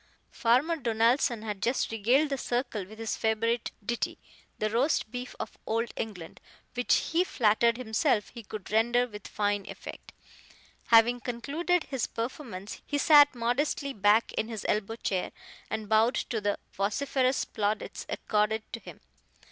Farmer Donaldson had just regaled the circle with his favorite ditty, The Roast Beef of Old England, which he flattered himself he could render with fine effect. Having concluded his performance, he sat modestly back in his elbow chair, and bowed to the vociferous plaudits accorded to him.